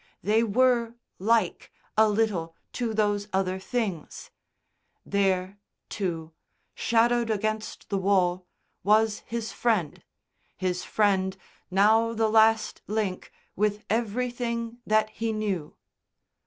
They were "like" a little to those other things. There, too, shadowed against the wall, was his Friend, his Friend, now the last link with everything that he knew.